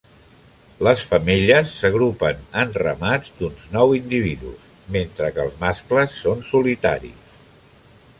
Les femelles s'agrupen en ramats d'uns nou individus, mentre que els mascles són solitaris.